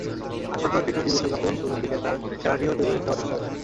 আসন্ন টি-টোয়েন্টি বিশ্বকাপের শুরুর দিকে তাঁর খেলা নিয়েও তৈরি হয়েছে অনিশ্চয়তা।